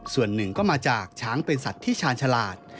ส่วนหนึ่งก็มาจากช้างเป็นสัตว์ที่ชาญฉลาด